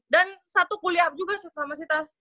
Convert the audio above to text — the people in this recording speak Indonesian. dan satu kuliah juga sama si ta